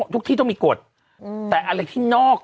ที่ต้องมีกฎแต่อะไรที่นอก